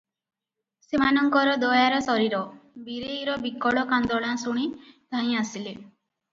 ସେମାନଙ୍କର ଦୟାର ଶରୀର, ବିରେଇର ବିକଳ କାନ୍ଦଣା ଶୁଣି ଧାଇଁ ଆସିଲେ ।